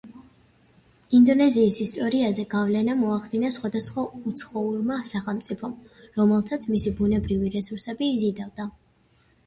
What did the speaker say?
ინდონეზიის ისტორიაზე გავლენა მოახდინა სხვადასხვა უცხოურმა სახელმწიფომ, რომელთაც მისი ბუნებრივი რესურსები იზიდავდა.